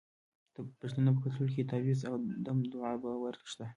د پښتنو په کلتور کې د تعویذ او دم دعا باور شته.